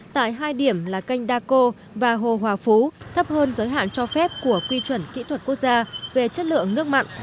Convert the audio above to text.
tại hai điểm là canh đa cô và hồ hòa phú thấp hơn giới hạn cho phép của quy chuẩn kỹ thuật quốc gia về chất lượng nước mặn